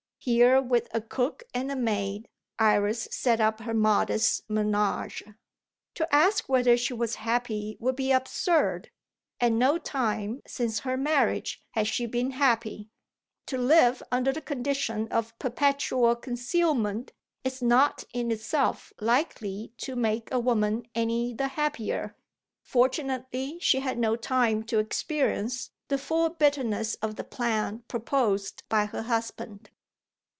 Here, with a cook and a maid, Iris set up her modest menage. To ask whether she was happy would be absurd. At no time since her marriage had she been happy; to live under the condition of perpetual concealment is not in itself likely to make a woman any the happier. Fortunately she had no time to experience the full bitterness of the plan proposed by her husband.